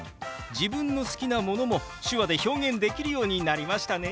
自分の好きなものも手話で表現できるようになりましたね。